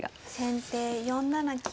先手４七金。